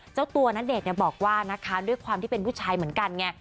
เจ้าตัวณเดชน์บอกว่านะคะด้วยความที่เป็นผู้ชายเหมือนกันไง